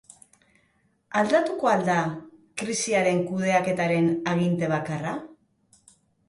Aldatuko al da krisiaren kudeaketaren aginte bakarra?